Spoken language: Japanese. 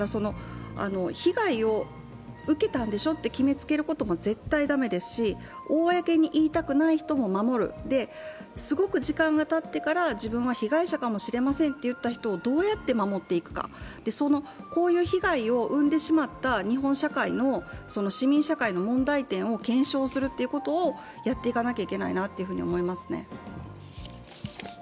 被害を受けたんでしょと決めつけることも絶対駄目ですし公に言いたくない人も守る、すごく時間がたってから自分は被害者かもしれませんって言った人をどうやって守っていくかこういう被害を生んでしまった日本社会、市民社会の問題点を検証するということをやっていかなきゃいけないなと思いますね。